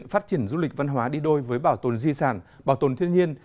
phát triển du lịch văn hóa đi đôi với bảo tồn di sản bảo tồn thiên nhiên